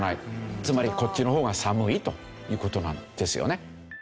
つまりこっちの方が寒いという事なんですよね。